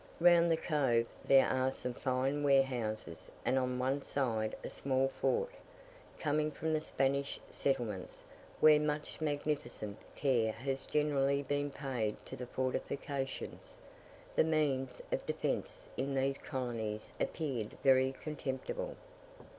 Round the cove there are some fine warehouses and on one side a small fort. Coming from the Spanish settlements, where such magnificent care has generally been paid to the fortifications, the means of defence in these colonies appeared very contemptible.